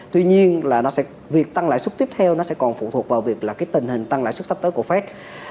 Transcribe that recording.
tuy nhiên là việc tăng lãi xuất tiếp theo nó sẽ còn phụ thuộc vào việc là cái tình hình tăng lãi xuất sắp tới của fed